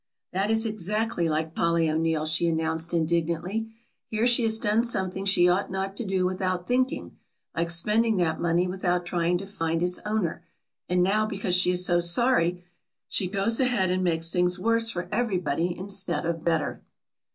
"That is exactly like Polly O'Neill," she announced indignantly, "here she has done something she ought not to do without thinking, like spending that money without trying to find its owner, and now because she is so sorry she goes ahead and makes things worse for everybody instead of better."